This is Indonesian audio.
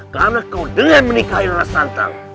karena kau dengan menikahi rara santang